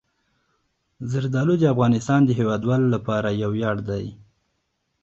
زردالو د افغانستان د هیوادوالو لپاره یو ویاړ دی.